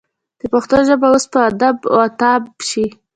د پښتو ژبه به اوس په آب و تاب شي.